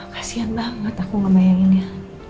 kasian banget aku ngebayanginnya